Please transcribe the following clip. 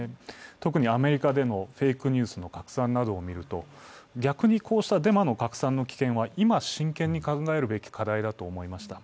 特にアメリカでのフェイクニュースの拡散などを見ると、逆にこうしたデマの拡散の危険は今真剣に考えるべき課題だと思いました。